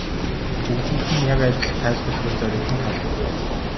Бүгдэд нь яг адил тайлбарлавал заримд нь таалагдахгүй.